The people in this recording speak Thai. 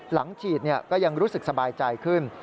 หลังฉีดก็ยังรู้สึกสบายใจขึ้น